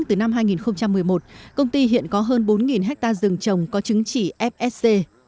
từ năm hai nghìn một mươi một công ty hiện có hơn bốn hectare rừng trồng có chứng chỉ fsc